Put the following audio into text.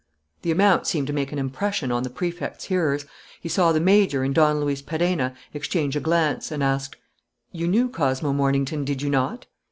The amount seemed to make an impression on the Prefect's hearers. He saw the major and Don Luis Perenna exchange a glance and asked: "You knew Cosmo Mornington, did you not?"